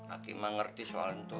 aki mah ngerti soal itu